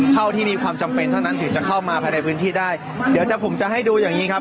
ที่มีความจำเป็นเท่านั้นถึงจะเข้ามาภายในพื้นที่ได้เดี๋ยวจะผมจะให้ดูอย่างงี้ครับ